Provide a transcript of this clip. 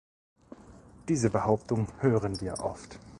Diese Behauptung hören wir oft.